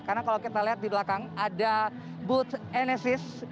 karena kalau kita lihat di belakang ada booth enesis